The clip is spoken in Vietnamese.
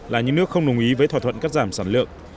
là những nước không đồng ý với thỏa thuận cắt giảm sản lượng